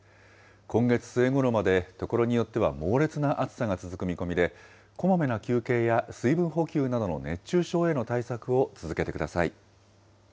今月末ごろまで所によっては猛烈な暑さが続く見込みで、こまめな休憩や、水分補給などの熱中症への対策を続けてください。